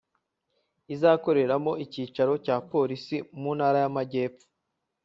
izakoreramo icyicaro cya Polisi mu Ntara y’Amajyepfo